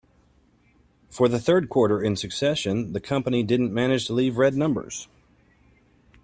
For the third quarter in succession, the company didn't manage to leave red numbers.